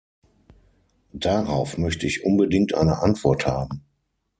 Darauf möchte ich unbedingt eine Antwort haben.